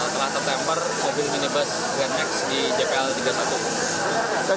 telah tertempur mobil minibus renex di jpl tiga puluh satu